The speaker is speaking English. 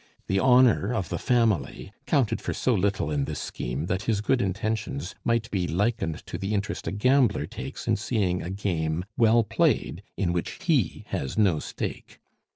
The honor of the family counted for so little in this scheme that his good intentions might be likened to the interest a gambler takes in seeing a game well played in which he has no stake.